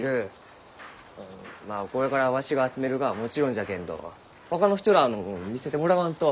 まあこれからわしが集めるがはもちろんじゃけんどほかの人らあのも見せてもらわんと。